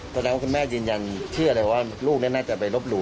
ตอนนั้นคุณแม่ยืนยันเชื่อเลยว่าลูกน่าจะไปลบหลู่